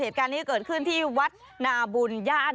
เหตุการณ์นี้เกิดขึ้นที่วัดนาบุญญาติ